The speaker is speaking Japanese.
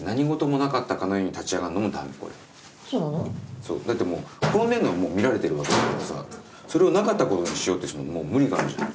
そうだってもう転んでんのはもう見られてるわけだからさそれをなかったことにしようってするのは無理があるじゃん。